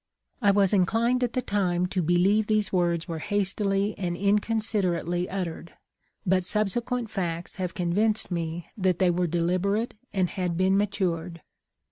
I was inclined at the time to believe these words were hastily and inconsiderately uttered, but subsequent facts have convinced me they were deliberate and had been matured.